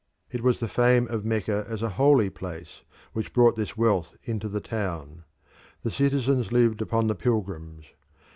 It was the fame of Mecca as a holy place which brought this wealth into the town. The citizens lived upon the pilgrims.